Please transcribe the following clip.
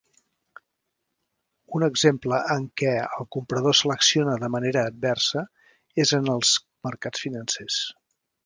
Un exemple en què el comprador selecciona de manera adversa és en els mercats financers.